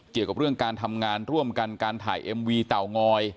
เกี่ยวกับเรื่องการทำงานร่วมกันการถ่ายเอ็มวีเต่างอย